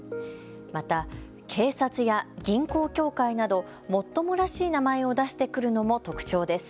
また、警察や銀行協会などもっともらしい名前を出してくるのも特徴です。